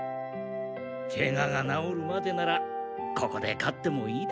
ケガがなおるまでならここで飼ってもいいでしょう。